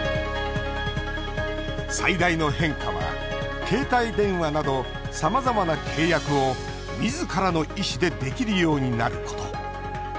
最大の変化は、携帯電話などさまざまな契約をみずからの意思でできるようになること。